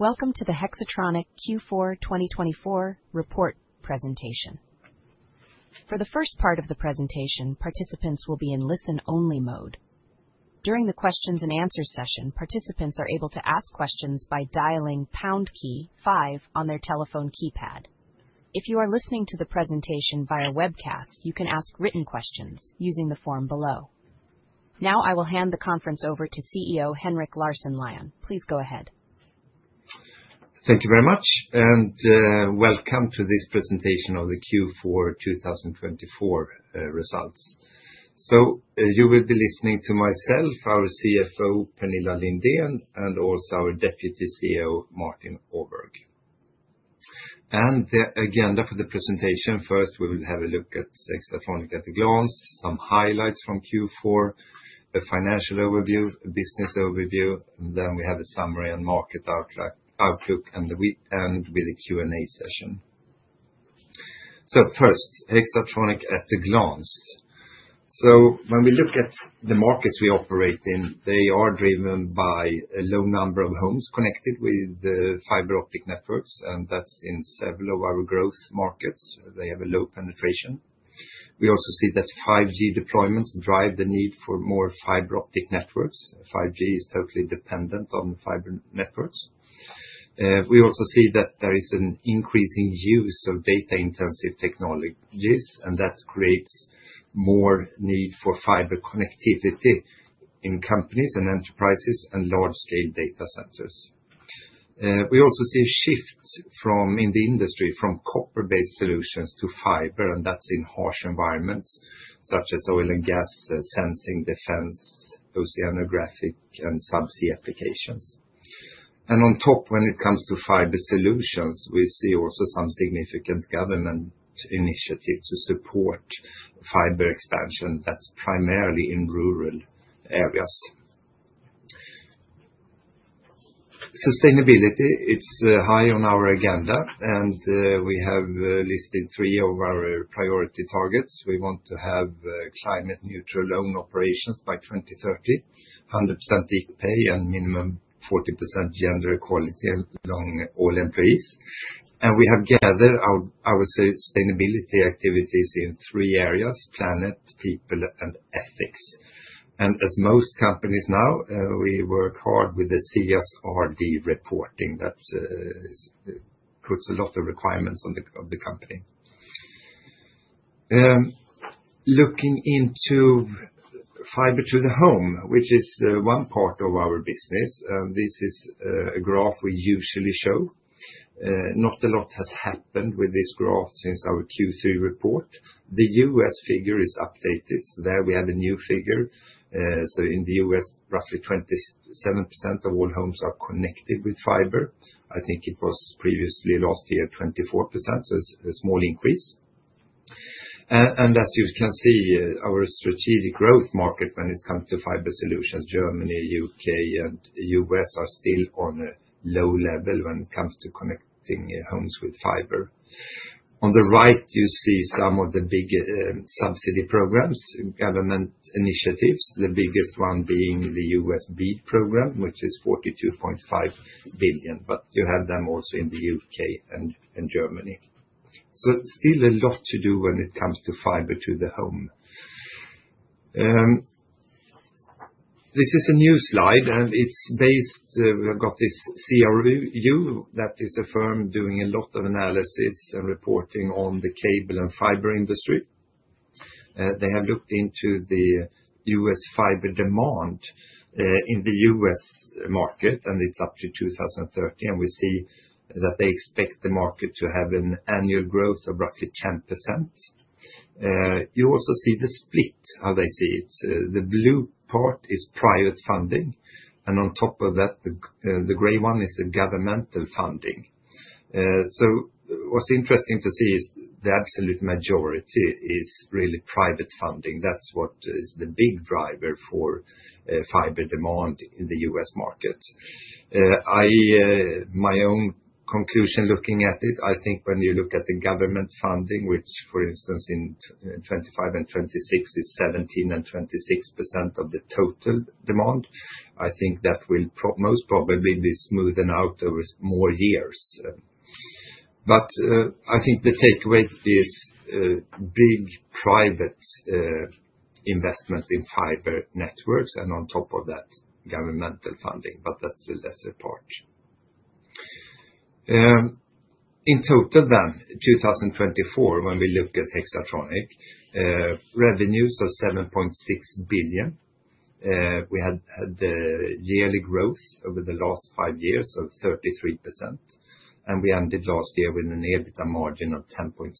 Welcome to the Hexatronic Q4 2024 report presentation. For the first part of the presentation, participants will be in listen-only mode. During the questions and answers session, participants are able to ask questions by dialing # key five on their telephone keypad. If you are listening to the presentation via webcast, you can ask written questions using the form below. Now, I will hand the conference over to CEO Henrik Larsson Lyon. Please go ahead. Thank you very much, and welcome to this presentation on the Q4 2024 results, so you will be listening to myself, our CFO, Pernilla Lindén, and also our Deputy CEO, Martin Åberg, and the agenda for the presentation: first, we will have a look at Hexatronic at a glance, some highlights from Q4, a financial overview, a business overview, and then we have a summary and market outlook, and we end with a Q&A session, so first, Hexatronic at a glance, so when we look at the markets we operate in, they are driven by a low number of homes connected with fiber optic networks, and that's in several of our growth markets. They have a low penetration. We also see that 5G deployments drive the need for more fiber optic networks. 5G is totally dependent on fiber networks. We also see that there is an increasing use of data-intensive technologies, and that creates more need for fiber connectivity in companies and enterprises and large-scale Data Centers. We also see a shift in the industry from copper-based solutions to fiber, and that's Harsh Environment such as oil and gas, sensing, defense, oceanographic, and subsea applications. And on top, when it comes to Fiber Solutions, we see also some significant government initiatives to support fiber expansion. That's primarily in rural areas. Sustainability is high on our agenda, and we have listed three of our priority targets. We want to have climate-neutral own operations by 2030, 100% equal pay, and minimum 40% gender equality among all employees. And we have gathered our sustainability activities in three areas: planet, people, and ethics. As most companies know, we work hard with the CSRD reporting that puts a lot of requirements on the company. Looking into fiber to the home, which is one part of our business, this is a graph we usually show. Not a lot has happened with this graph since our Q3 report. The U.S. figure is updated. There we have a new figure. In the U.S., roughly 27% of all homes are connected with fiber. I think it was previously last year 24%, so a small increase. As you can see, our strategic growth market when it comes to Fiber Solutions, Germany, U.K., and U.S. are still on a low level when it comes to connecting homes with fiber. On the right, you see some of the big subsidy programs, government initiatives. The biggest one being the U.S. BEAD program, which is $42.5 billion, but you have them also in the U.K. and Germany. So still a lot to do when it comes to fiber to the home. This is a new slide, and it's based, we've got this CRU that is a firm doing a lot of analysis and reporting on the cable and fiber industry. They have looked into the U.S. fiber demand in the U.S. market, and it's up to 2030, and we see that they expect the market to have an annual growth of roughly 10%. You also see the split, how they see it. The blue part is private funding, and on top of that, the gray one is the governmental funding. So what's interesting to see is the absolute majority is really private funding. That's what is the big driver for fiber demand in the US market. My own conclusion looking at it, I think when you look at the government funding, which for instance in 2025 and 2026 is 17% and 26% of the total demand, I think that will most probably be smoothened out over more years. But I think the takeaway is big private investments in fiber networks and on top of that governmental funding, but that's the lesser part. In total then, 2024, when we look at Hexatronic, revenues of 7.6 billion. We had yearly growth over the last five years of 33%, and we ended last year with an EBITDA margin of 10.6%.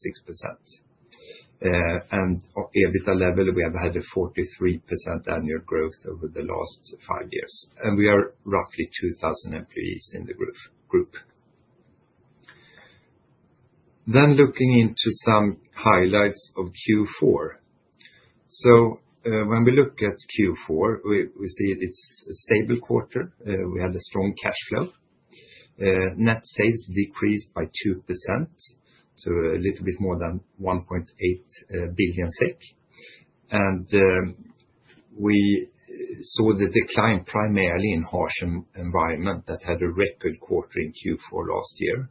And EBITDA level, we have had a 43% annual growth over the last five years, and we are roughly 2,000 employees in the group. Then looking into some highlights of Q4. So when we look at Q4, we see it's a stable quarter. We had a strong cash flow. Net sales decreased by 2%, so a little bit more than 1.8 billion SEK. And we saw the decline primarily in harsh environment that had a record quarter in Q4 last year.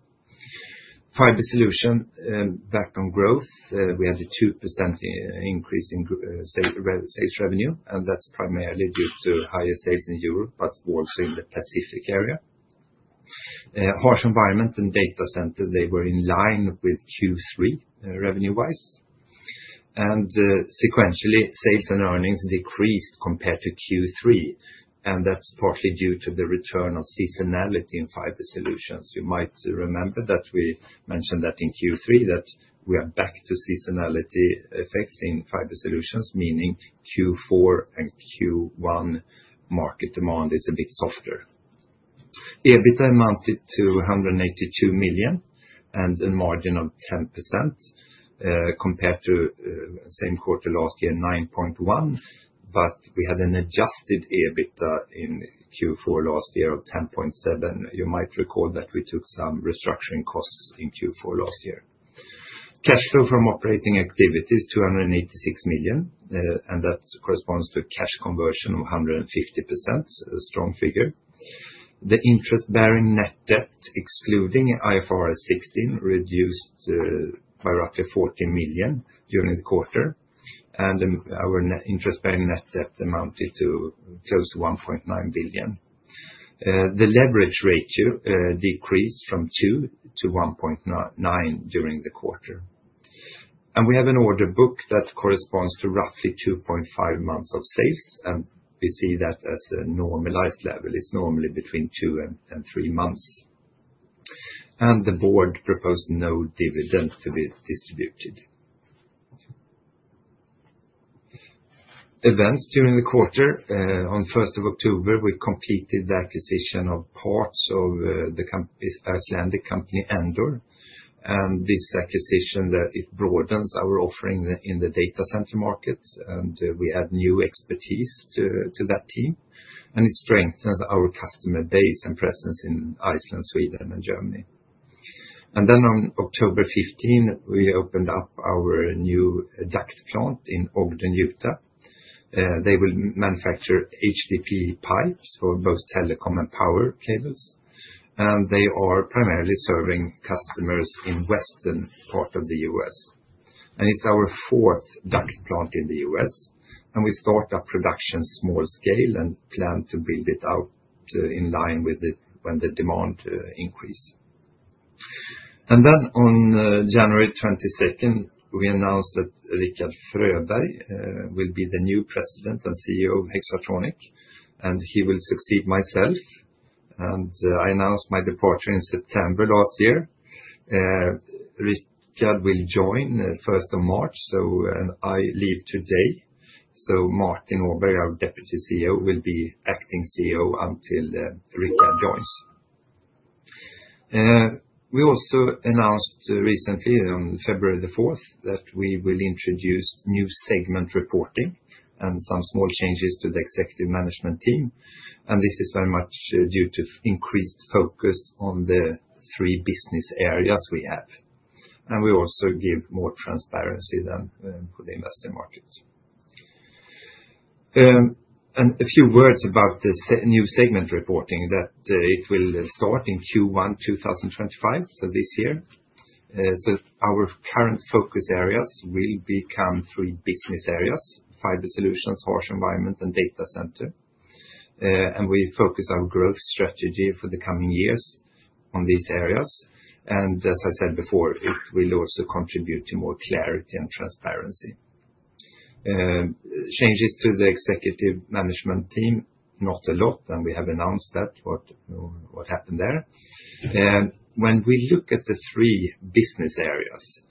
Fiber solution back on growth, we had a 2% increase in sales revenue, and that's primarily due to higher sales in Europe, but also in the Pacific area. Harsh Environment and Data Center, they were in line with Q3 revenue-wise. And sequentially, sales and earnings decreased compared to Q3, and that's partly due to the return of seasonality in Fiber Solutions. You might remember that we mentioned that in Q3 that we are back to seasonality effects in Fiber Solutions, meaning Q4 and Q1 market demand is a bit softer. EBITDA amounted to 182 million and a margin of 10% compared to same quarter last year, 9.1%, but we had an adjusted EBITDA in Q4 last year of 10.7%. You might recall that we took some restructuring costs in Q4 last year. Cash flow from operating activity is 286 million, and that corresponds to a cash conversion of 150%, a strong figure. The interest-bearing net debt, excluding IFRS 16, reduced by roughly 40 million during the quarter, and our interest-bearing net debt amounted to close to 1.9 billion. The leverage ratio decreased from 2 to 1.9 during the quarter. And we have an order book that corresponds to roughly 2.5 months of sales, and we see that as a normalized level. It's normally between two and three months. And the board proposed no dividend to be distributed. Events during the quarter. On the 1st of October, we completed the acquisition of parts of the Icelandic company Endor, and this acquisition, it broadens our offering in the Data Center market, and we add new expertise to that team, and it strengthens our customer base and presence in Iceland, Sweden, and Germany, and then on October 15, we opened up our new duct plant in Ogden, Utah. They will manufacture HDPE pipes for both telecom and power cables, and they are primarily serving customers in the western part of the U.S. And it is our fourth duct plant in the U.S., and we started production small scale and plan to build it out in line with it when the demand increases, and then on January 22, we announced that Rikard Fröberg will be the new President and CEO of Hexatronic, and he will succeed myself. I announced my departure in September last year. Rikard will join 1st of March, so I leave today. Martin Åberg, our Deputy CEO, will be acting CEO until Rikard joins. We also announced recently on February the 4th that we will introduce new segment reporting and some small changes to the executive management team, and this is very much due to increased focus on the three business areas we have. We also give more transparency than for the investor market. A few words about the new segment reporting that it will start in Q1 2025, so this year. Our current focus areas will become three business areas: Fiber Solutions, Harsh Environment, and Data Center. We focus our growth strategy for the coming years on these areas. As I said before, it will also contribute to more clarity and transparency. Changes to the executive management team, not a lot, and we have announced that what happened there. When we look at the three business areas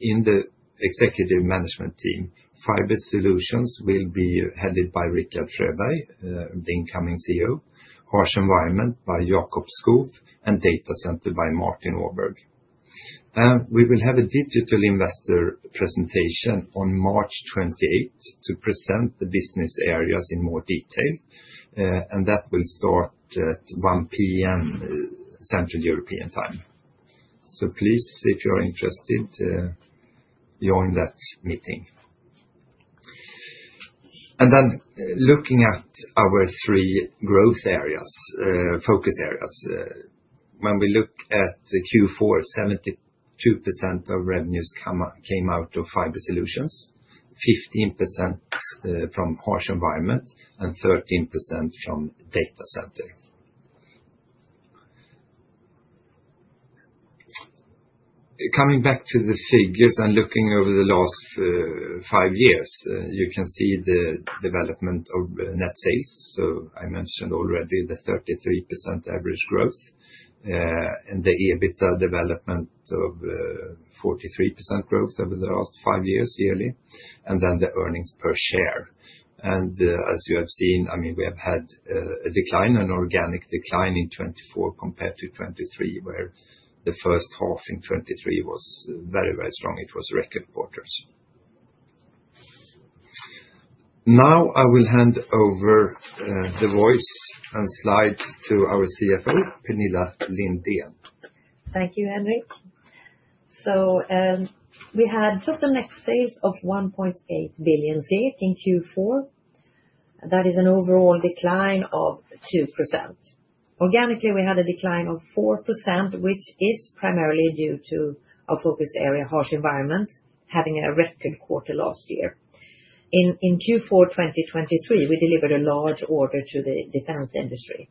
in the executive management team, Fiber Solutions will be headed by Rikard Fröberg, the incoming CEO, Harsh Environment by Jakob Skov, and Data Center by Martin Åberg. We will have a digital investor presentation on March 28 to present the business areas in more detail, and that will start at 1:00 P.M. Central European time. So please, if you're interested, join that meeting. And then looking at our three growth areas, focus areas, when we look at Q4, 72% of revenues came out of Fiber Solutions, 15% from harsh environment, and 13% from Data Center. Coming back to the figures and looking over the last five years, you can see the development of net sales. So I mentioned already the 33% average growth and the EBITDA development of 43% growth over the last five years yearly, and then the earnings per share. And as you have seen, I mean, we have had a decline, an organic decline in 2024 compared to 2023, where the first half in 2023 was very, very strong. It was record quarters. Now I will hand over the voice and slides to our CFO, Pernilla Lindén. Thank you, Henrik. So we had total net sales of SEK 1.8 billion in Q4. That is an overall decline of 2%. Organically, we had a decline of 4%, which is primarily due to our focus area, Harsh Environment, having a record quarter last year. In Q4 2023, we delivered a large order to the defense industry.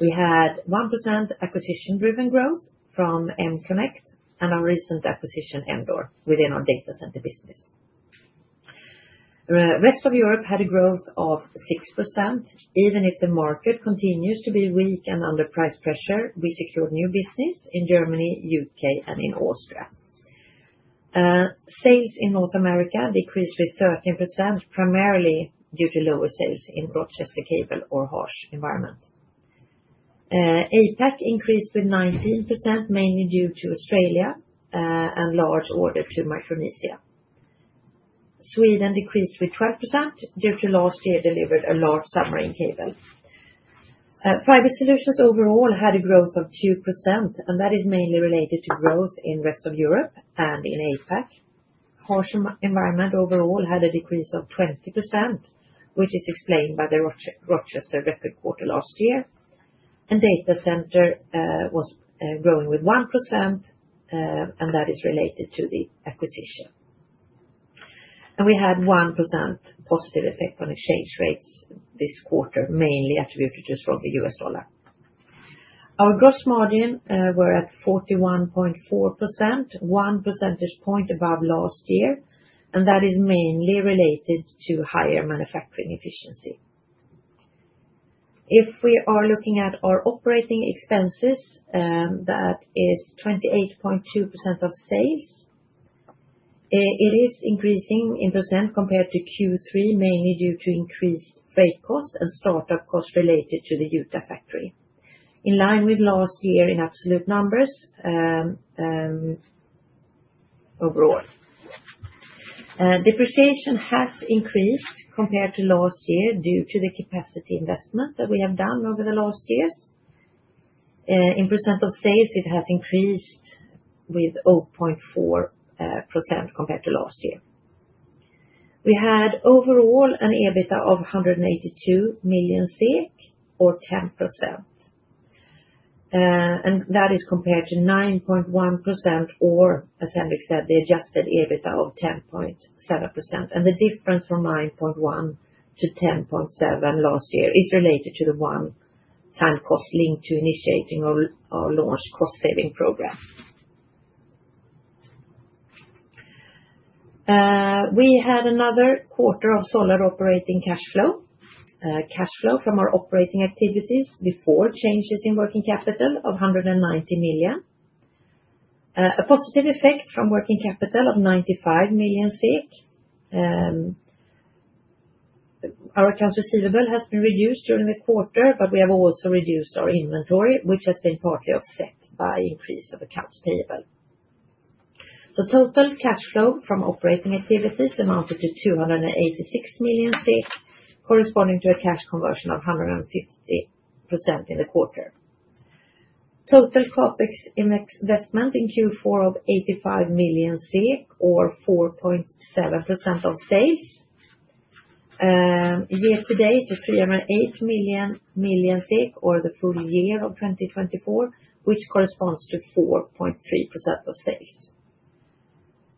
We had 1% acquisition-driven growth from M-Connect and our recent acquisition, Endor, within our Data Center business. Rest of Europe had a growth of 6%. Even if the market continues to be weak and under price pressure, we secured new business in Germany, U.K., and in Austria. Sales in North America decreased with 13%, primarily due to lower sales in Rochester Cable or Harsh Environment. APAC increased with 19%, mainly due to Australia and large order to Micronesia. Sweden decreased with 12% due to last year delivered a large submarine cable. Fiber Solutions overall had a growth of 2%, and that is mainly related to growth in rest of Europe and in APAC. Harsh Environment overall had a decrease of 20%, which is explained by the Rochester record quarter last year. And Data Center was growing with 1%, and that is related to the acquisition. And we had 1% positive effect on exchange rates this quarter, mainly attributed to strong U.S. dollar. Our gross margin was at 41.4%, one percentage point above last year, and that is mainly related to higher manufacturing efficiency. If we are looking at our operating expenses, that is 28.2% of sales. It is increasing in percent compared to Q3, mainly due to increased freight cost and startup cost related to the Utah factory, in line with last year in absolute numbers overall. Depreciation has increased compared to last year due to the capacity investment that we have done over the last years. In percent of sales, it has increased with 0.4% compared to last year. We had overall an EBITDA of 182 million SEK or 10%. And that is compared to 9.1% or, as Henrik said, the adjusted EBITDA of 10.7%. And the difference from 9.1 to 10.7 last year is related to the one-time cost linked to initiating our launch cost-saving program. We had another quarter of solid operating cash flow, cash flow from our operating activities before changes in working capital of 190 million. A positive effect from working capital of 95 million. Our accounts receivable has been reduced during the quarter, but we have also reduced our inventory, which has been partly offset by increase of accounts payable, so total cash flow from operating activities amounted to 286 million, corresponding to a cash conversion of 150% in the quarter. Total CapEx investment in Q4 of 85 million SEK or 4.7% of sales. Year-to-date is 308 million or the full year of 2024, which corresponds to 4.3% of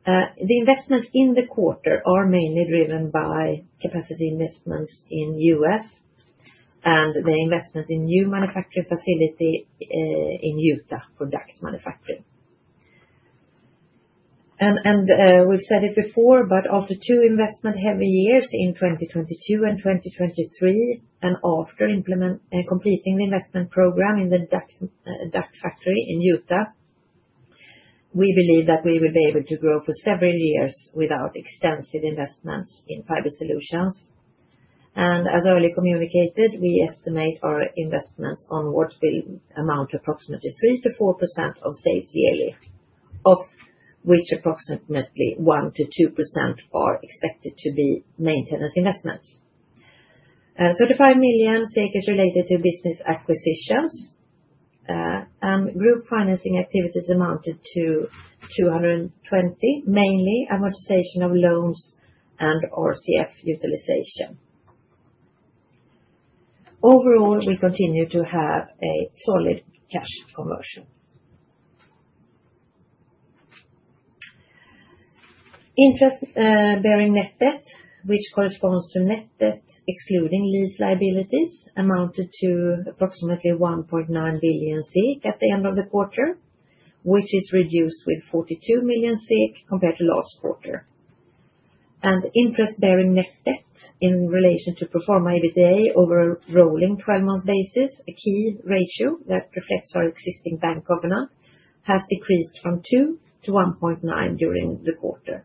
sales. The investments in the quarter are mainly driven by capacity investments in the U.S. and the investment in new manufacturing facility in Utah for duct manufacturing. We've said it before, but after two investment-heavy years in 2022 and 2023, and after completing the investment program in the duct factory in Utah, we believe that we will be able to grow for several years without extensive investments in Fiber Solutions. As early communicated, we estimate our investments onwards will amount to approximately 3%-4% of sales yearly, of which approximately 1%-2% are expected to be maintenance investments. 35 million is related to business acquisitions, and group financing activities amounted to 220, mainly amortization of loans and RCF utilization. Overall, we continue to have a solid cash conversion. Interest-bearing net debt, which corresponds to net debt excluding lease liabilities, amounted to approximately 1.9 billion at the end of the quarter, which is reduced with 42 million compared to last quarter. Interest-bearing net debt in relation to pro forma EBITDA over a rolling 12-month basis, a key ratio that reflects our existing bank covenant, has decreased from 2 to 1.9 during the quarter.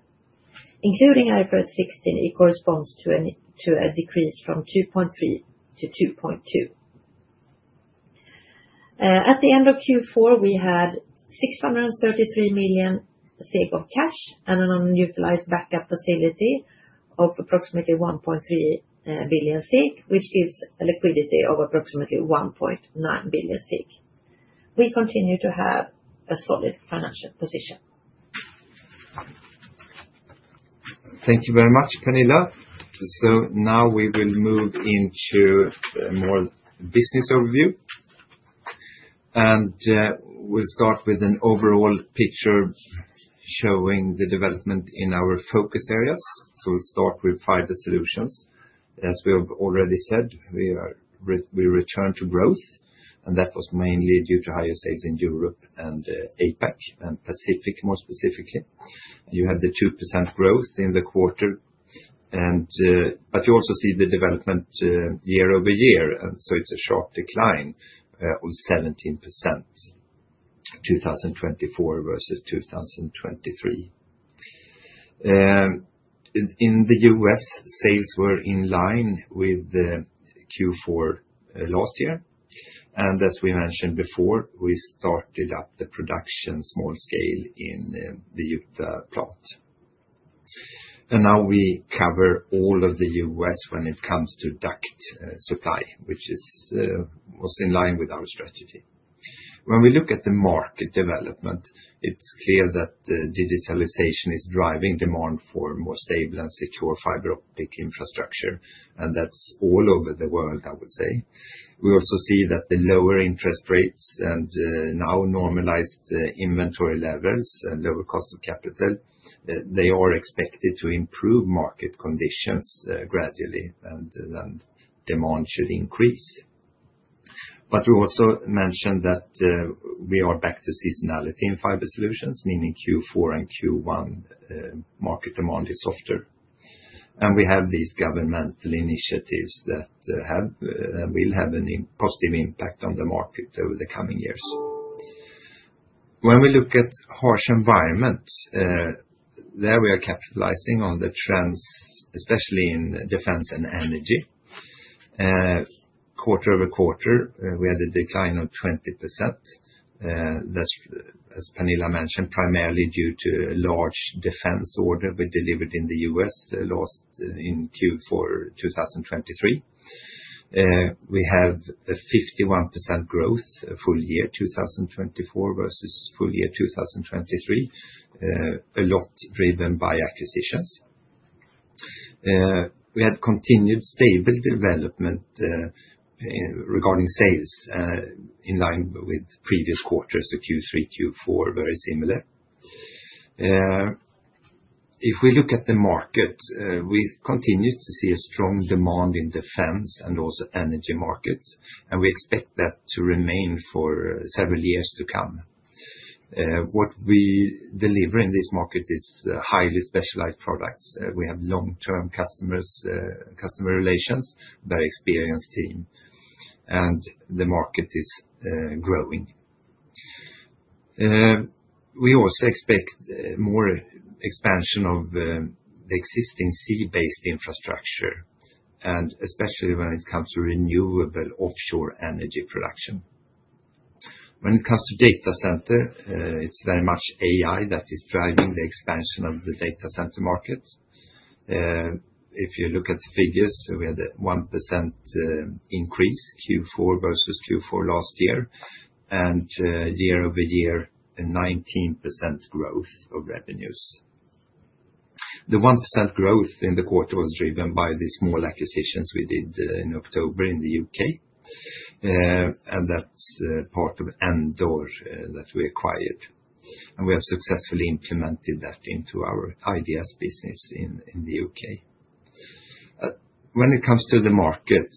Including IFRS 16, it corresponds to a decrease from 2.3 to 2.2. At the end of Q4, we had 633 million of cash and an unutilized backup facility of approximately 1.3 billion, which gives a liquidity of approximately 1.9 billion. We continue to have a solid financial position. Thank you very much, Pernilla. Now we will move into a more business overview. We'll start with an overall picture showing the development in our focus areas. We'll start with Fiber Solutions. As we have already said, we returned to growth, and that was mainly due to higher sales in Europe and APAC and Pacific, more specifically. You had the 2% growth in the quarter, but you also see the development year over year, and so it's a sharp decline of 17% in 2024 versus 2023. In the U.S., sales were in line with Q4 last year, and as we mentioned before, we started up the production small scale in the Utah plant, and now we cover all of the U.S. when it comes to duct supply, which was in line with our strategy. When we look at the market development, it's clear that digitalization is driving demand for more stable and secure fiber optic infrastructure, and that's all over the world, I would say. We also see that the lower interest rates and now normalized inventory levels and lower cost of capital, they are expected to improve market conditions gradually, and then demand should increase. But we also mentioned that we are back to seasonality in Fiber Solutions, meaning Q4 and Q1 market demand is softer. And we have these governmental initiatives that will have a positive impact on the market over the coming years. When we look at Harsh Environment, there we are capitalizing on the trends, especially in defense and energy. Quarter over quarter, we had a decline of 20%. That's, as Pernilla mentioned, primarily due to a large defense order we delivered in the U.S. last in Q4 2023. We have a 51% growth full year 2024 versus full year 2023, a lot driven by acquisitions. We had continued stable development regarding sales in line with previous quarters, so Q3, Q4, very similar. If we look at the market, we continue to see a strong demand in defense and also energy markets, and we expect that to remain for several years to come. What we deliver in this market is highly specialized products. We have long-term customer relations, very experienced team, and the market is growing. We also expect more expansion of the existing sea-based infrastructure, and especially when it comes to renewable offshore energy production. When it comes to Data Center, it's very much AI that is driving the expansion of the Data Center market. If you look at the figures, we had a 1% increase Q4 versus Q4 last year, and year-over-year, a 19% growth of revenues. The 1% growth in the quarter was driven by the small acquisitions we did in October in the U.K., and that's part of Endor that we acquired. We have successfully implemented that into our IDS business in the UK. When it comes to the market,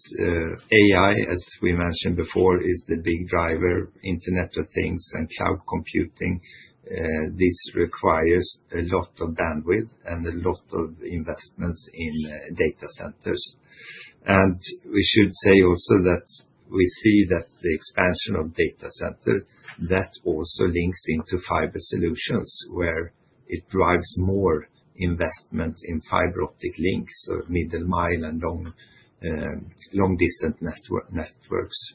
AI, as we mentioned before, is the big driver, Internet of Things and cloud computing. This requires a lot of bandwidth and a lot of investments in Data Centers. We should say also that we see that the expansion of Data Center, that also links into Fiber Solutions, where it drives more investment in fiber optic links, so middle-mile and long-distance networks.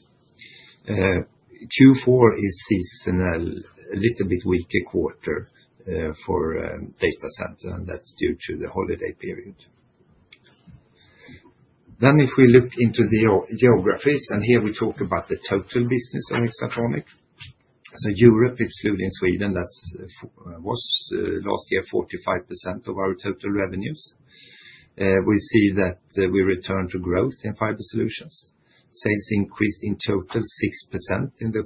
Q4 is seasonal, a little bit weaker quarter for Data Center, and that's due to the holiday period. If we look into the geographies, and here we talk about the total business of Hexatronic. So Europe, excluding Sweden, that was last year 45% of our total revenues. We see that we returned to growth in Fiber Solutions. Sales increased in total 6% in the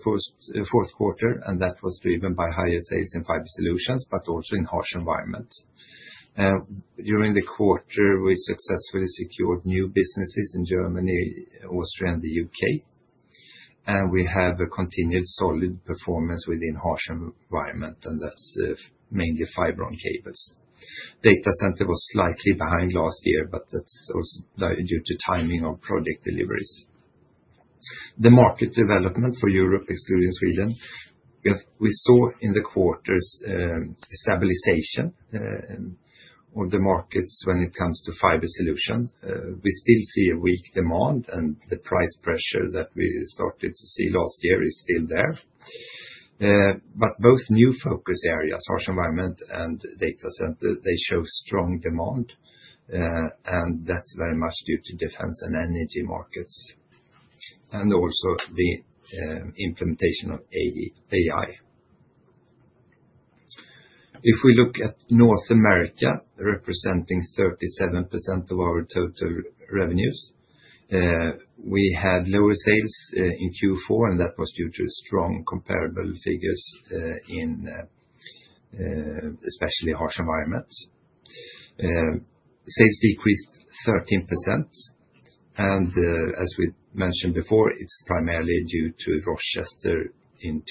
fourth quarter, and that was driven by higher sales in Fiber Solutions, but also Harsh Environment. During the quarter, we successfully secured new businesses in Germany, Austria, and the U.K.. And we have a continued solid performance within harsh environment, and that's mainly Fibron cables. Data center was slightly behind last year, but that's also due to timing of project deliveries. The market development for Europe, excluding Sweden, we saw in the quarters stabilization of the markets when it comes to Fiber Solution. We still see a weak demand, and the price pressure that we started to see last year is still there. But both new focus areas, harsh environment and Data Center, they show strong demand, and that's very much due to defense and energy markets, and also the implementation of AI. If we look at North America, representing 37% of our total revenues, we had lower sales in Q4, and that was due to strong comparable figures in Harsh Environment. Sales decreased 13%, and as we mentioned before, it's primarily due to Rochester in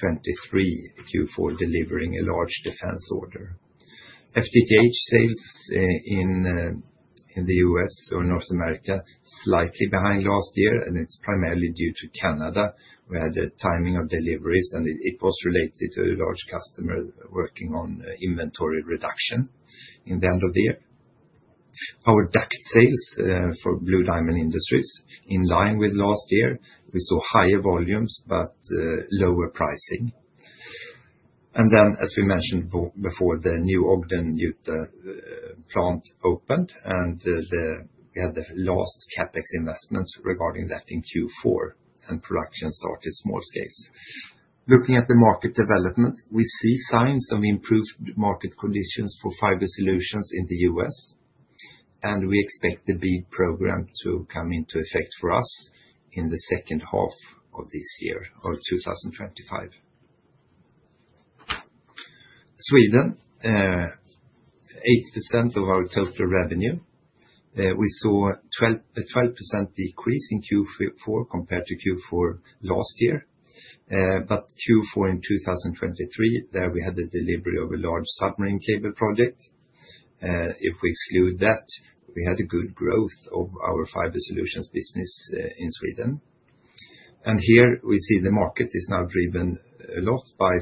2023, Q4 delivering a large defense order. FTTH sales in the U.S. or North America slightly behind last year, and it's primarily due to Canada. We had a timing of deliveries, and it was related to a large customer working on inventory reduction in the end of the year. Our duct sales for Blue Diamond Industries, in line with last year, we saw higher volumes but lower pricing. And then, as we mentioned before, the new Ogden, Utah plant opened, and we had the last CapEx investments regarding that in Q4, and production started small scales. Looking at the market development, we see signs of improved market conditions for Fiber Solutions in the U.S., and we expect the BEAD program to come into effect for us in the second half of this year or 2025. Sweden, 8% of our total revenue. We saw a 12% decrease in Q4 compared to Q4 last year, but Q4 in 2023, there we had the delivery of a large submarine cable project. If we exclude that, we had a good growth of our Fiber Solutions business in Sweden, and here, we see the market is now driven a lot by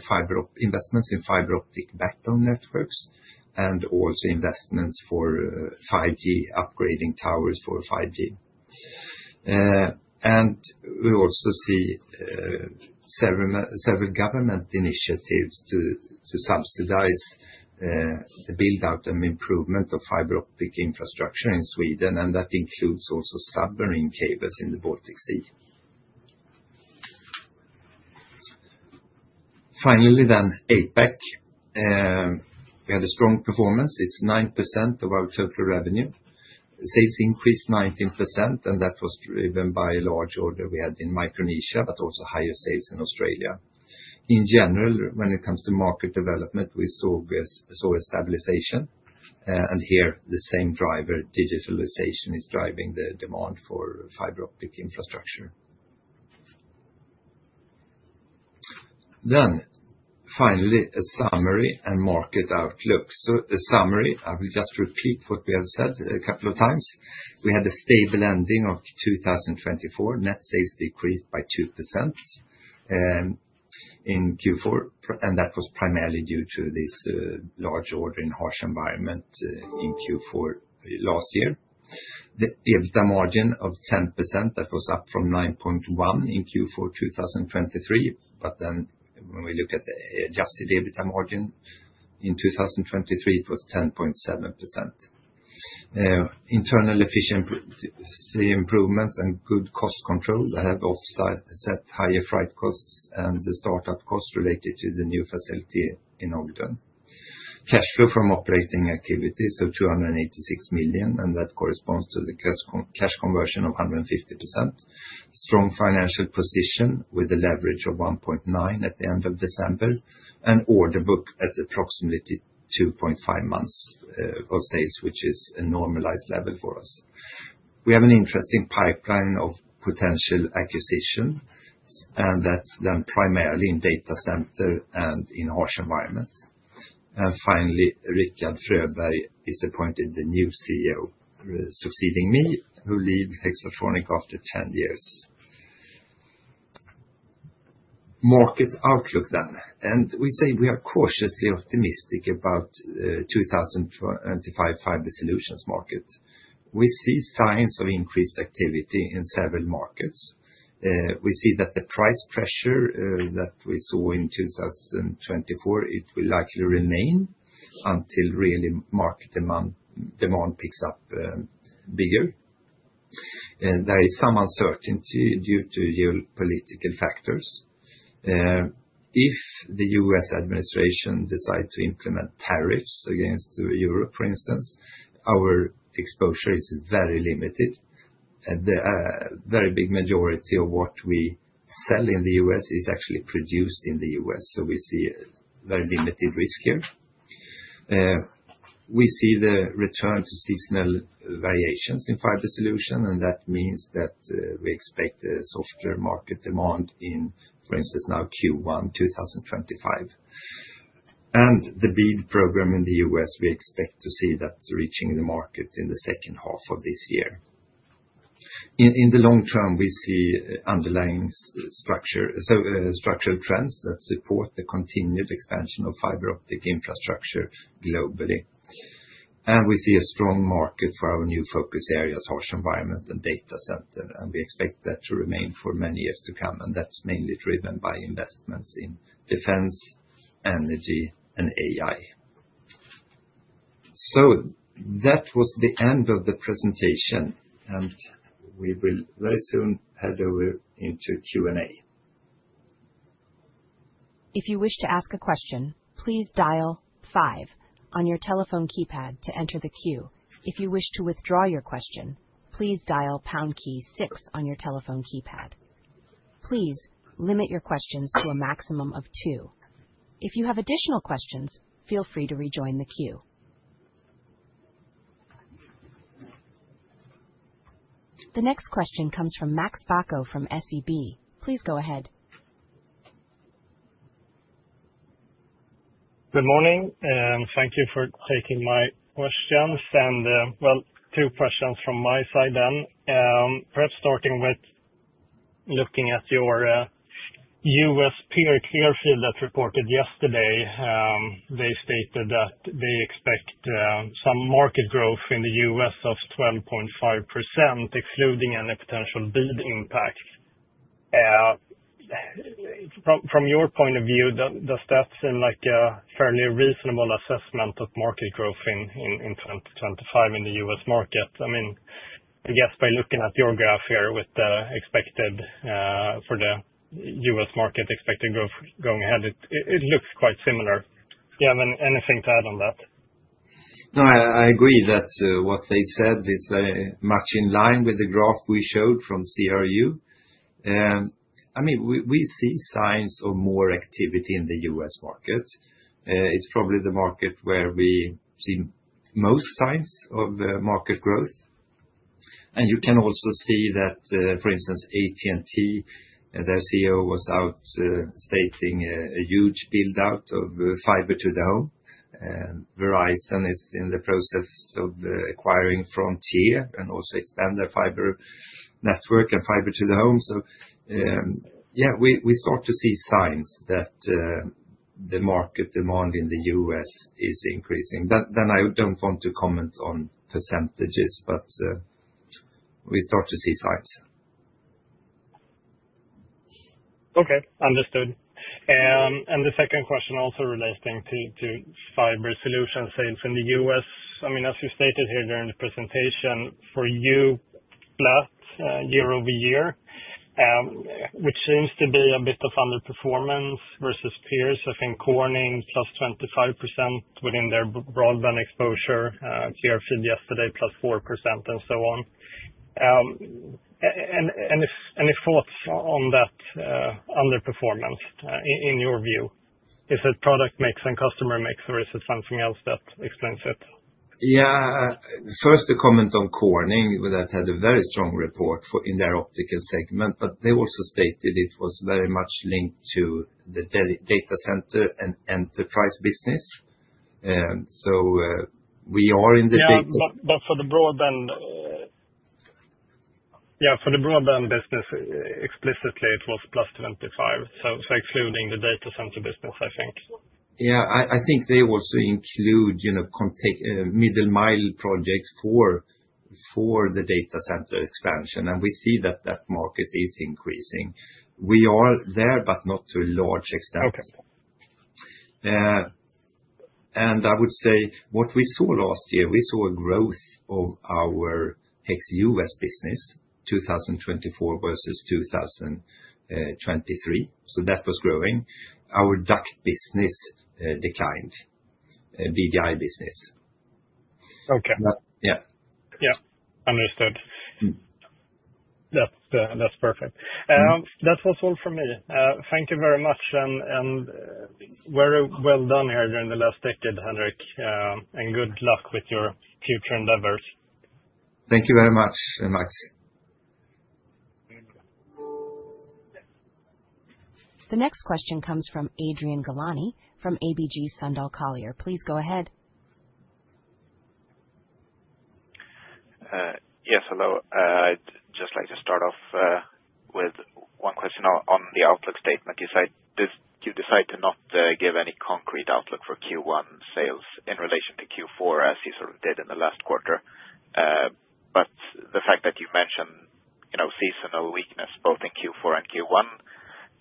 investments in fiber optic backbone networks and also investments for 5G upgrading towers for 5G, and we also see several government initiatives to subsidize the build-out and improvement of fiber optic infrastructure in Sweden, and that includes also submarine cables in the Baltic Sea. Finally, then APAC. We had a strong performance. It's 9% of our total revenue. Sales increased 19%, and that was driven by a large order we had in Micronesia, but also higher sales in Australia. In general, when it comes to market development, we saw stabilization, and here, the same driver, digitalization, is driving the demand for fiber optic infrastructure, then finally, a summary and market outlook, so a summary. I will just repeat what we have said a couple of times. We had a stable ending of 2024. Net sales decreased by 2% in Q4, and that was primarily due to this large order in harsh environment in Q4 last year. The EBITDA margin of 10%, that was up from 9.1% in Q4 2023, but then when we look at the adjusted EBITDA margin in 2023, it was 10.7%, internal efficiency improvements and good cost control. They have offset higher flight costs and startup costs related to the new facility in Ogden. Cash flow from operating activity, so 286 million, and that corresponds to the cash conversion of 150%. Strong financial position with a leverage of 1.9 at the end of December and order book at approximately 2.5 months of sales, which is a normalized level for us. We have an interesting pipeline of potential acquisition, and that's then primarily in Data Center and in harsh environment. Finally, Rikard Fröberg is appointed the new CEO, succeeding me, who leaves Hexatronic after 10 years. Market outlook then. We say we are cautiously optimistic about the 2025 Fiber Solutions market. We see signs of increased activity in several markets. We see that the price pressure that we saw in 2024, it will likely remain until really market demand picks up bigger. There is some uncertainty due to geopolitical factors. If the U.S. administration decides to implement tariffs against Europe, for instance, our exposure is very limited. A very big majority of what we sell in the U.S. is actually produced in the U.S., so we see very limited risk here. We see the return to seasonal variations in Fiber Solution, and that means that we expect a softer market demand in, for instance, now Q1 2025, and the BEAD program in the U.S., we expect to see that reaching the market in the second half of this year. In the long term, we see underlying structural trends that support the continued expansion of fiber optic infrastructure globally, and we see a strong market for our new focus areas, Harsh Environment and Data Center, and we expect that to remain for many years to come. That's mainly driven by investments in defense, energy, and AI. That was the end of the presentation, and we will very soon head over into Q&A. If you wish to ask a question, please dial five on your telephone keypad to enter the queue. If you wish to withdraw your question, please dial # key six on your telephone keypad. Please limit your questions to a maximum of two. If you have additional questions, feel free to rejoin the queue. The next question comes from Max Bacco from SEB. Please go ahead. Good morning, and thank you for taking my questions. Well, two questions from my side then. Perhaps starting with looking at your U.S. peer Corning that reported yesterday, they stated that they expect some market growth in the US of 12.5%, excluding any potential BEAD impact. From your point of view, does that seem like a fairly reasonable assessment of market growth in 2025 in the U.S. market? I mean, I guess by looking at your graph here with the expected for the U.S. market expected growth going ahead, it looks quite similar. Do you have anything to add on that? No, I agree that what they said is very much in line with the graph we showed from CRU. I mean, we see signs of more activity in the U.S. market. It's probably the market where we see most signs of market growth, and you can also see that, for instance, AT&T, their CEO was out stating a huge build-out of fiber to the home. Verizon is in the process of acquiring Frontier and also expanding their fiber network and fiber to the home. Yeah, we start to see signs that the market demand in the U.S. is increasing. I don't want to comment on percentages, but we start to see signs. Okay, understood. The second question also relating to fiber solution sales in the U.S. I mean, as you stated here during the presentation, for you, flat year over year, which seems to be a bit of underperformance versus peers. I think Corning plus 25% within their broadband exposure, Clearfield yesterday plus 4%, and so on. Any thoughts on that underperformance in your view? Is it product mix and customer mix, or is it something else that explains it? Yeah, first, a comment on Corning that had a very strong report in their optical segment, but they also stated it was very much linked to the Data Center and enterprise business. We are in the data. But for the broadband, yeah, for the broadband business, explicitly, it was +25%. So excluding the Data Center business, I think. Yeah, I think they also include middle-mile projects for the Data Center expansion, and we see that that market is increasing. We are there, but not to a large extent. And I would say what we saw last year, we saw a growth of our ex-US business, 2024 versus 2023. So that was growing. Our duct business declined, BDI business. Okay. Yeah. Yeah, understood. That's perfect. That was all from me. Thank you very much and very well done here during the last decade, Henrik, and good luck with your future endeavors. Thank you very much, Max. The next question comes from Adrian Gilani from ABG Sundal Collier. Please go ahead. Yes, hello. I'd just like to start off with one question on the outlook statement. You decide to not give any concrete outlook for Q1 sales in relation to Q4, as you sort of did in the last quarter. But the fact that you mentioned seasonal weakness both in Q4 and Q1,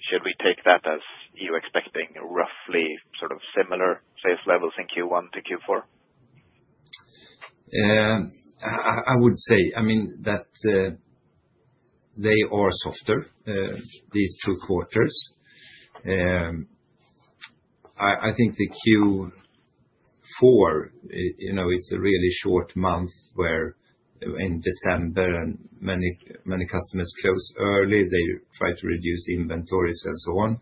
should we take that as you expecting roughly sort of similar sales levels in Q1 to Q4? I would say, I mean, that they are softer, these two quarters. I think the Q4, it's a really short month where in December, many customers close early. They try to reduce inventories and so on.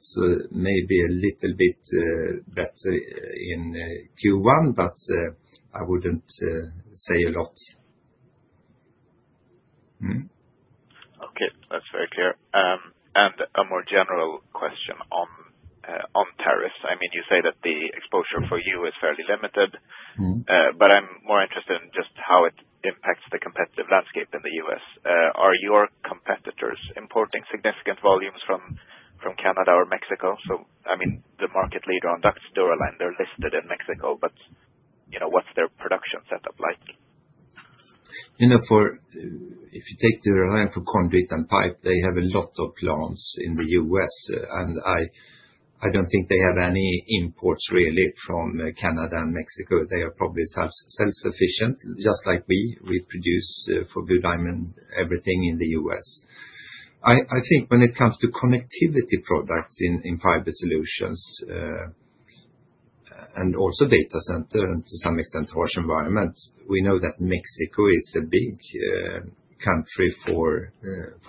So maybe a little bit better in Q1, but I wouldn't say a lot. Okay, that's very clear. And a more general question on tariffs. I mean, you say that the exposure for you is fairly limited, but I'm more interested in just how it impacts the competitive landscape in the U.S.. Are your competitors importing significant volumes from Canada or Mexico? I mean, the market leader on ducts, Dura-Line, they're listed in Mexico, but what's their production setup like? If you take Dura-Line for concrete and pipe, they have a lot of plants in the U.S., and I don't think they have any imports really from Canada and Mexico. They are probably self-sufficient, just like we. We produce for Blue Diamond everything in the U.S. I think when it comes to connectivity products in Fiber Solutions and also Data Center and to some extent harsh environment, we know that Mexico is a big country for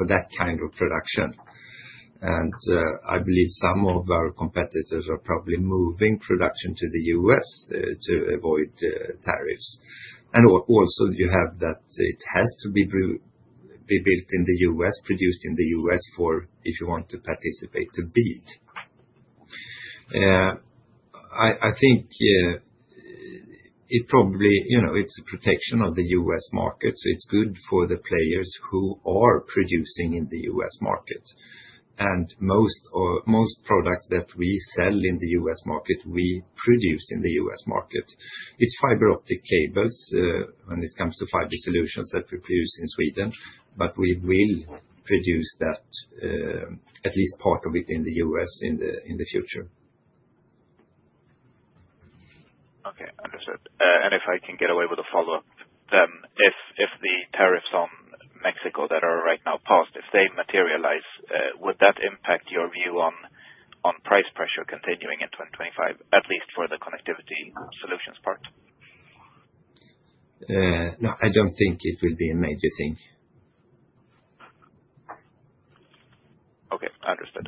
that kind of production. I believe some of our competitors are probably moving production to the U.S. to avoid tariffs. And also you have that it has to be built in the U.S., produced in the U.S. for if you want to participate to BEAD. I think it probably, it's a protection of the U.S. market, so it's good for the players who are producing in the U.S. market. And most products that we sell in the U.S. market, we produce in the U.S. market. It's fiber optic cables when it comes to Fiber Solutions that we produce in Sweden, but we will produce that, at least part of it in the U.S. in the future. Okay, understood. And if I can get away with a follow-up, then if the tariffs on Mexico that are right now passed, if they materialize, would that impact your view on price pressure continuing in 2025, at least for the connectivity solutions part? No, I don't think it will be a major thing. Okay, understood.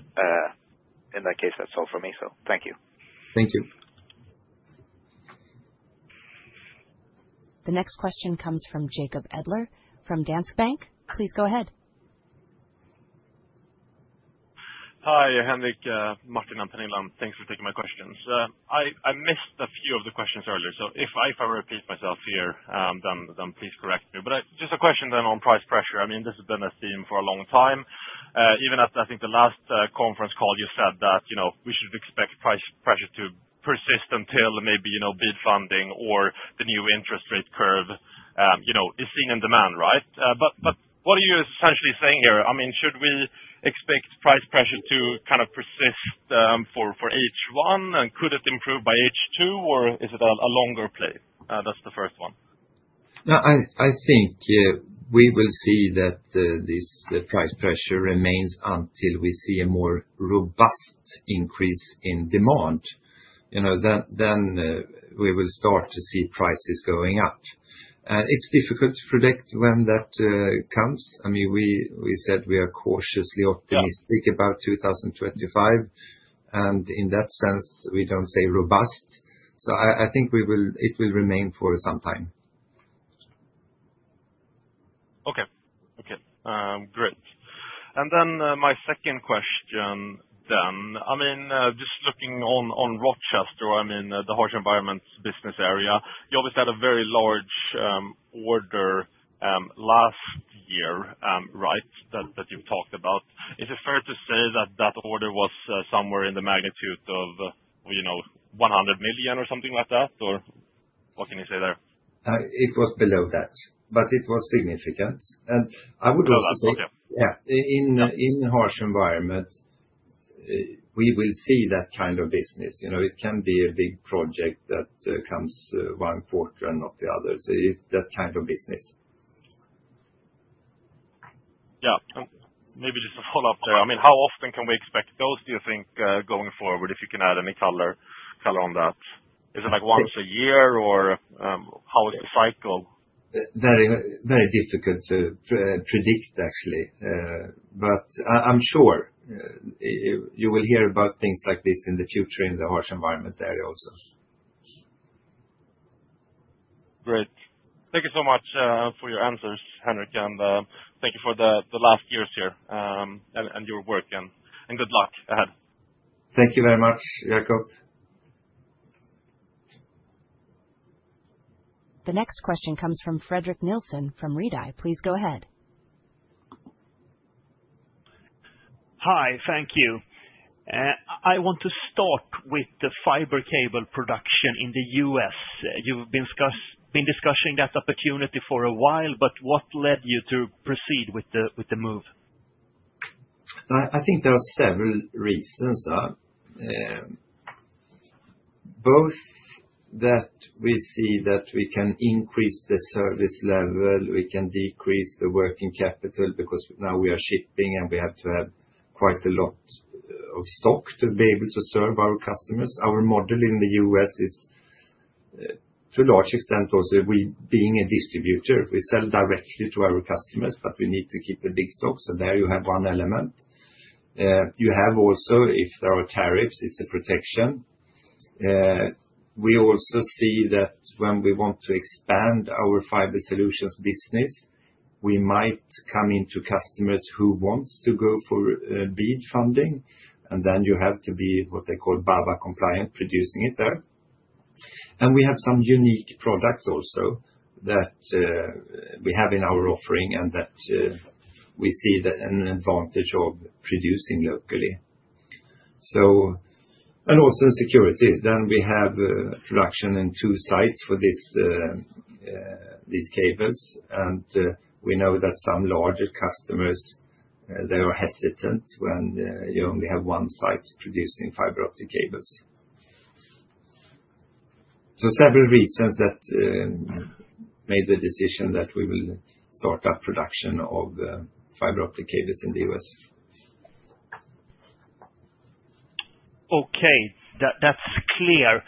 In that case, that's all for me, so thank you. Thank you. The next question comes from Jacob Edler from Danske Bank. Please go ahead. Hi, Henrik, Martin and Pernilla. Thanks for taking my questions. I missed a few of the questions earlier, so if I repeat myself here, then please correct me. But just a question then on price pressure. I mean, this has been a theme for a long time. Even at, I think, the last conference call, you said that we should expect price pressure to persist until maybe BEAD funding or the new interest rate curve is seen in demand, right? But what are you essentially saying here? I mean, should we expect price pressure to kind of persist for H1, and could it improve by H2, or is it a longer play? That's the first one. I think we will see that this price pressure remains until we see a more robust increase in demand. Then we will start to see prices going up. It's difficult to predict when that comes. I mean, we said we are cautiously optimistic about 2025, and in that sense, we don't say robust. So I think it will remain for some time. Okay. Okay. Great. And then my second question then, I mean, just looking on Rochester, I mean, the harsh environment business area, you obviously had a very large order last year, right, that you've talked about. Is it fair to say that that order was somewhere in the magnitude of 100 million or something like that, or what can you say there? It was below that, but it was significant. And I would also say, yeah, in harsh environment, we will see that kind of business. It can be a big project that comes one quarter and not the other. So it's that kind of business. Yeah. Maybe just a follow-up there. I mean, how often can we expect those, do you think, going forward, if you can add any color on that? Is it like once a year, or how is the cycle? Very difficult to predict, actually. But I'm sure you will hear about things like this in the future in the harsh environment area also. Great. Thank you so much for your answers, Henrik, and thank you for the last years here and your work. And good luck ahead. Thank you very much, Jakob. The next question comes from Fredrik Nilsson from Redeye. Please go ahead. Hi, thank you. I want to start with the fiber cable production in the U.S.. You've been discussing that opportunity for a while, but what led you to proceed with the move? I think there are several reasons. Both that we see that we can increase the service level, we can decrease the working capital because now we are shipping and we have to have quite a lot of stock to be able to serve our customers. Our model in the U.S. is, to a large extent, also being a distributor. We sell directly to our customers, but we need to keep the big stock. So there you have one element. You have also, if there are tariffs, it's a protection. We also see that when we want to expand our Fiber Solutions business, we might come into customers who want to go for BEAD funding, and then you have to be what they call BABA compliant producing it there. And we have some unique products also that we have in our offering and that we see an advantage of producing locally. And also security. Then we have production in two sites for these cables, and we know that some larger customers, they are hesitant when you only have one site producing fiber optic cables. So several reasons that made the decision that we will start up production of fiber optic cables in the U.S.. Okay, that's clear.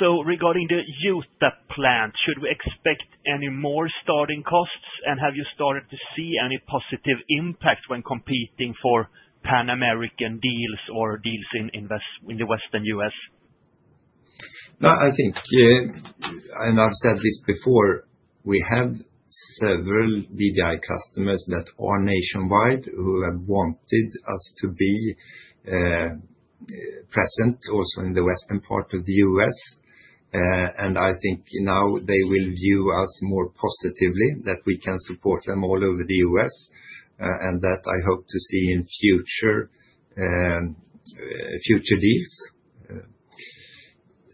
So regarding the Utah plant, should we expect any more starting costs, and have you started to see any positive impact when competing for Pan-American deals or deals in the Western U.S.? No, I think, and I've said this before, we have several BDI customers that are nationwide who have wanted us to be present also in the Western part of the U.S.. And I think now they will view us more positively that we can support them all over the U.S. and that I hope to see in future deals.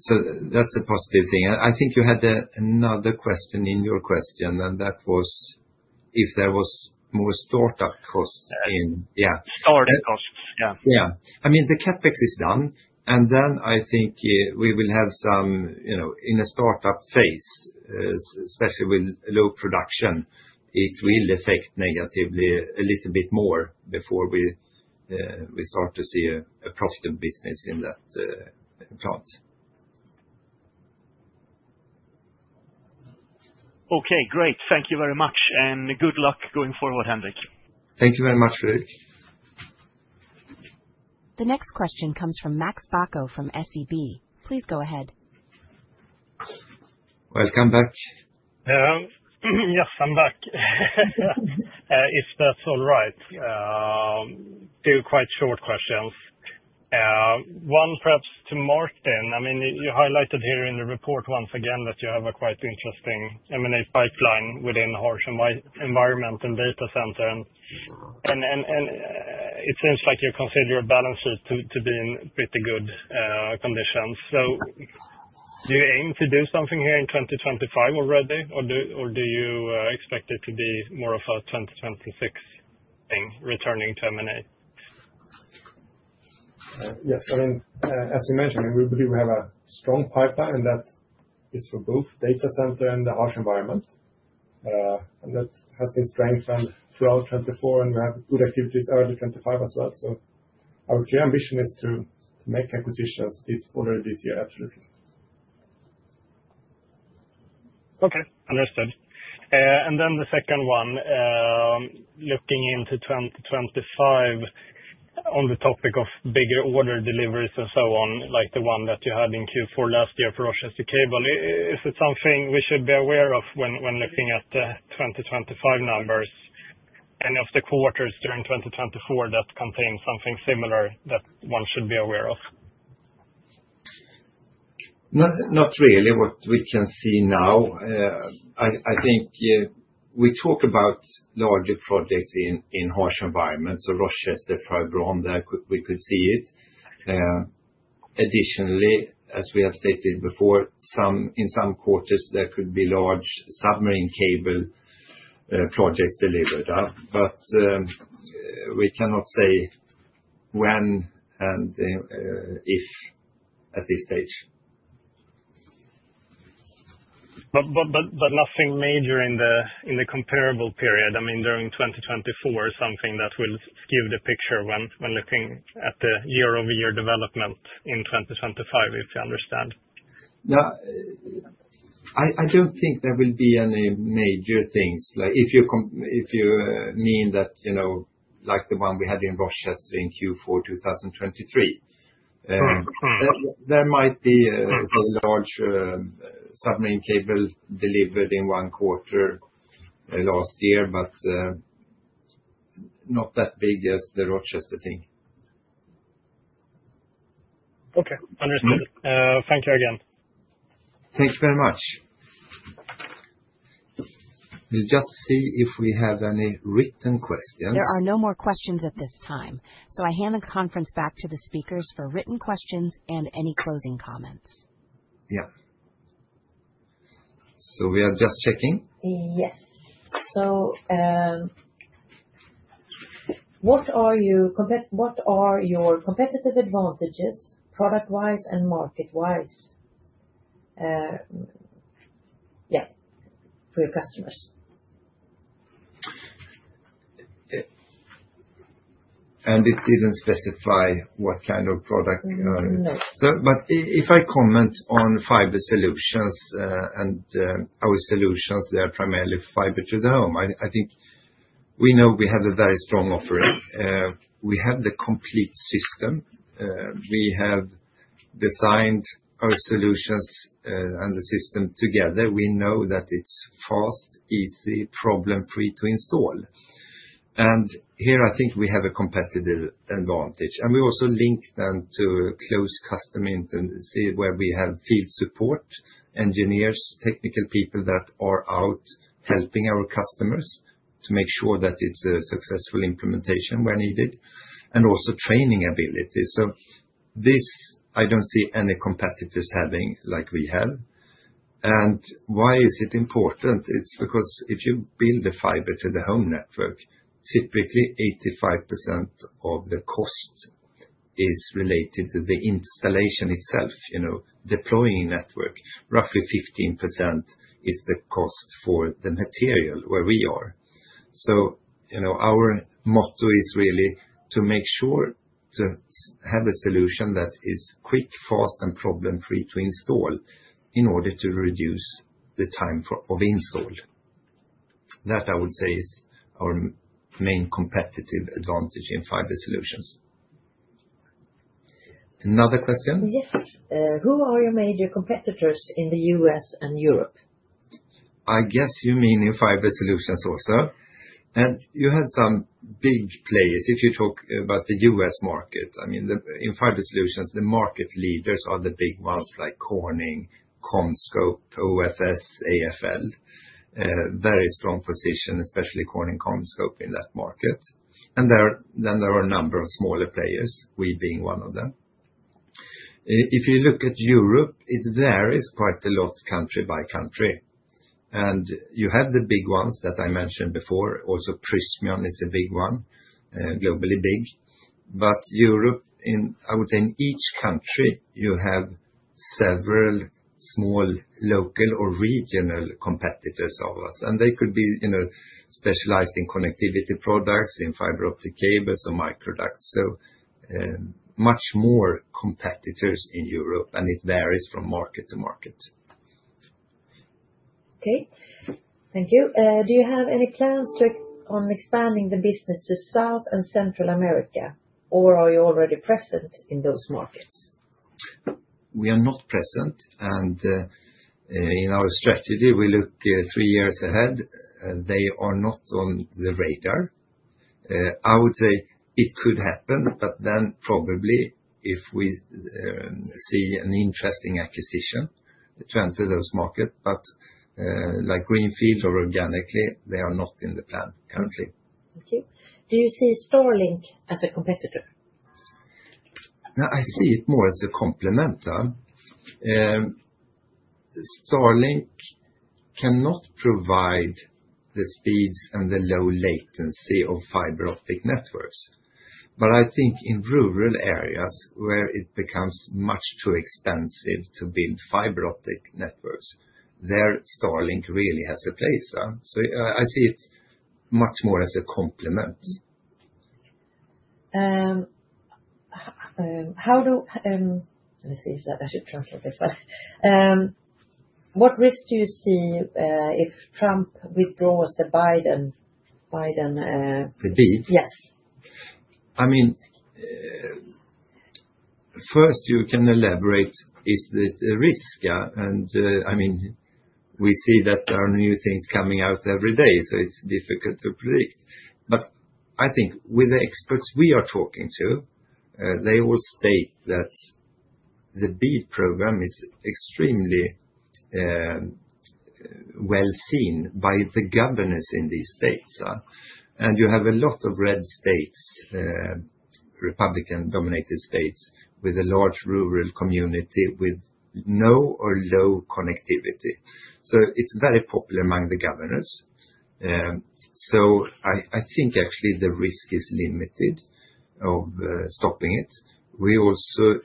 So that's a positive thing. I think you had another question in your question, and that was if there was more startup costs in, yeah. Startup costs, yeah. Yeah. I mean, the CapEx is done, and then I think we will have some in a startup phase, especially with low production. It will affect negatively a little bit more before we start to see a profitable business in that plant. Okay, great. Thank you very much, and good luck going forward, Henrik. Thank you very much, Fredrik. The next question comes from Max Bacco from SEB. Please go ahead. Welcome back. Yes, I'm back. If that's all right. Two quite short questions. One, perhaps to Martin. I mean, you highlighted here in the report once again that you have a quite interesting M&A pipeline within harsh environment and Data Center, and it seems like you consider your balance sheet to be in pretty good conditions. So do you aim to do something here in 2025 already, or do you expect it to be more of a 2026 thing, returning to M&A? Yes. I mean, as you mentioned, we do have a strong pipeline, and that is for both Data Center and the Harsh Environment. And that has been strengthened throughout 2024, and we have good activities early 2025 as well. So our clear ambition is to make acquisitions already this year, absolutely. Okay, understood. And then the second one, looking into 2025 on the topic of bigger order deliveries and so on, like the one that you had in Q4 last year for Rochester Cable, is it something we should be aware of when looking at the 2025 numbers? Any of the quarters during 2024 that contain something similar that one should be aware of? Not really, what we can see now. I think we talk about larger projects Harsh Environment, so Rochester, Fibron, we could see it. Additionally, as we have stated before, in some quarters, there could be large submarine cable projects delivered. But we cannot say when and if at this stage. But nothing major in the comparable period, I mean, during 2024, something that will skew the picture when looking at the year-over-year development in 2025, if you understand. Yeah. I don't think there will be any major things. If you mean that like the one we had in Rochester in Q4 2023, there might be a large submarine cable delivered in one quarter last year, but not that big as the Rochester thing. Okay, understood. Thank you again. Thank you very much. We'll just see if we have any written questions. There are no more questions at this time, so I hand the conference back to the speakers for written questions and any closing comments. Yeah. So we are just checking. Yes. So what are your competitive advantages, product-wise and market-wise, yeah, for your customers? And it didn't specify what kind of product. No But if I comment on Fiber Solutions and our solutions, they are primarily fiber to the home. I think we know we have a very strong offering. We have the complete system. We have designed our solutions and the system together. We know that it's fast, easy, problem-free to install, and here, I think we have a competitive advantage. We also link them to close customer intimacy where we have field support, engineers, technical people that are out helping our customers to make sure that it's a successful implementation where needed, and also training ability, so this, I don't see any competitors having like we have, and why is it important? It's because if you build a fiber to the home network, typically 85% of the cost is related to the installation itself, deploying network. Roughly 15% is the cost for the material where we are, so our motto is really to make sure to have a solution that is quick, fast, and problem-free to install in order to reduce the time of install. That I would say is our main competitive advantage in Fiber Solutions. Another question? Yes. Who are your major competitors in the U.S. and Europe? I guess you mean in Fiber Solutions also. And you have some big players. If you talk about the U.S. market, I mean, in Fiber Solutions, the market leaders are the big ones like Corning, CommScope, OFS, AFL. Very strong position, especially Corning, CommScope in that market. And then there are a number of smaller players, we being one of them. If you look at Europe, it varies quite a lot country by country. And you have the big ones that I mentioned before. Also, Prysmian is a big one, globally big. But Europe, I would say in each country, you have several small local or regional competitors of us. And they could be specialized in connectivity products, in fiber optic cables, or micro ducts. So much more competitors in Europe, and it varies from market to market. Okay. Thank you. Do you have any plans on expanding the business to South and Central America, or are you already present in those markets? We are not present, and in our strategy, we look three years ahead. They are not on the radar. I would say it could happen, but then probably if we see an interesting acquisition to enter those markets. But, like greenfield or organically, they are not in the plan currently. Okay. Do you see Starlink as a competitor? I see it more as a complementor. Starlink cannot provide the speeds and the low latency of fiber optic networks. But I think in rural areas where it becomes much too expensive to build fiber optic networks, there Starlink really has a place. So I see it much more as a complement. Let me see if I should translate this. What risk do you see if Trump withdraws the Biden? The BEAD? Yes. I mean, first, you can elaborate is the risk. And I mean, we see that there are new things coming out every day, so it's difficult to predict. But I think with the experts we are talking to, they will state that the BEAD program is extremely well seen by the governors in these states. And you have a lot of red states, Republican-dominated states with a large rural community with no or low connectivity. So it's very popular among the governors. So I think actually the risk is limited of stopping it. We also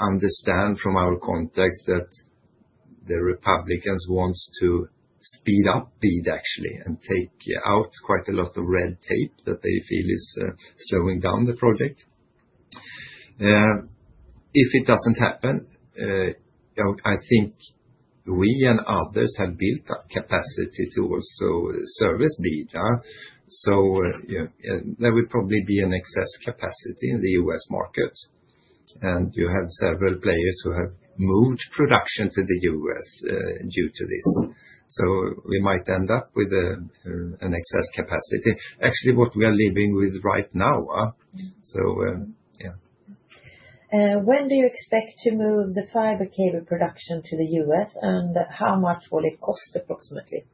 understand from our context that the Republicans want to speed up BEAD, actually, and take out quite a lot of red tape that they feel is slowing down the project. If it doesn't happen, I think we and others have built up capacity to also service BEAD. So there will probably be an excess capacity in the U.S. market. And you have several players who have moved production to the U.S. due to this. So we might end up with an excess capacity. Actually, what we are living with right now. So yeah. When do you expect to move the fiber cable production to the U.S., and how much will it cost approximately?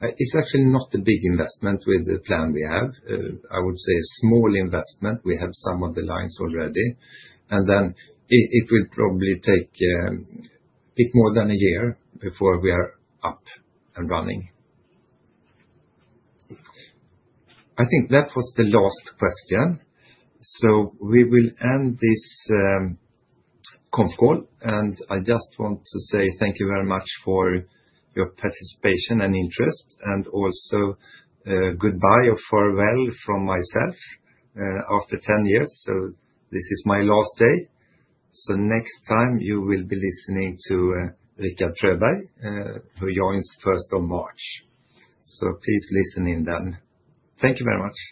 It's actually not a big investment with the plan we have. I would say a small investment. We have some of the lines already. And then it will probably take a bit more than a year before we are up and running. I think that was the last question. We will end this conference call, and I just want to say thank you very much for your participation and interest. And also goodbye or farewell from myself after 10 years. This is my last day. Next time you will be listening to Rikard Fröberg, who joins 1st of March. Please listen in then. Thank you very much.